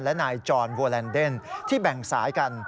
และนายจรวัลแลนเดนที่แบ่งสายกัน